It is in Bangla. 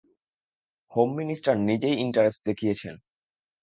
হোম মিনিষ্টার নিজেই ইন্টারেস্ট দেখিয়েছেন।